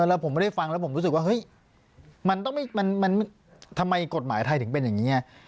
แล้วผมไม่ได้ฟังแล้วผมรู้สึกว่าเฮ้ยมันต้องทำไมกฎหมายไทยถึงเป็นอย่างนี้ไง